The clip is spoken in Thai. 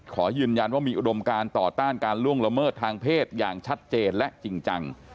ขอยืนยันว่ามีอุดมการต่อต้านการล่วงละเมิดทางเพศอย่างชัดเจนและจริงจัง